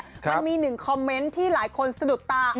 มันมีหนึ่งคอมเมนต์ที่หลายคนสะดุดตา